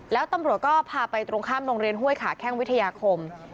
แล้วตำรวจก็พาไปตรงข้ามโรงเรียนห้วยขาแข้งวิทยาคม